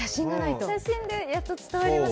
写真でやっと伝わりますね。